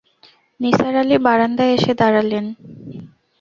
নিসার আলি বারান্দায় এসে দাঁড়ালেন।